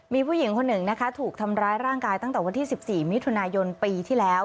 มีผู้หญิงคนหนึ่งนะคะถูกทำร้ายร่างกายตั้งแต่วันที่๑๔มิถุนายนปีที่แล้ว